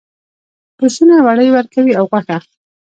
پسونه وړۍ ورکوي او غوښه.